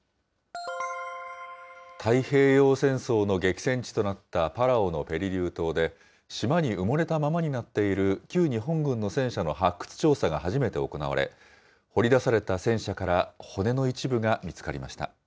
太平洋戦争の激戦地となったパラオのペリリュー島で、島に埋もれたままになっている旧日本軍の戦車の発掘調査が初めて行われ、掘り出された戦車から骨の一部が見つかりました。